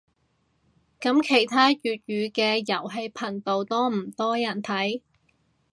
噉其他粵語嘅遊戲頻道多唔多人睇